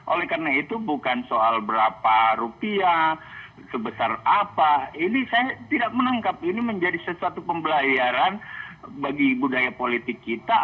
oleh karena itu bukan soal berapa rupiah sebesar apa ini saya tidak menangkap ini menjadi sesuatu pembelajaran bagi budaya politik kita